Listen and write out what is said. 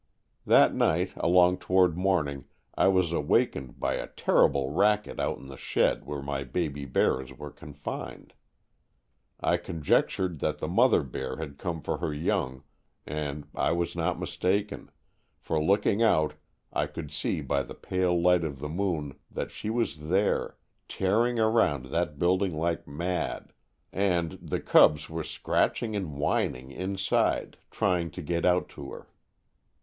That night, along toward morn ing, I was awakened by a terrible racket out in the shed where my baby bears were confined. I conjectured that the mother bear had come for her young, and I was not mistaken, for looking out I could see by the pale light of the moon that she was there, tearing around that building like mad and, the cubs were scratching and whining inside trying to get out to her.